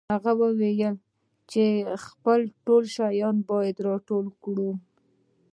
هغه وویل چې خپل ټول شیان باید راټول کړو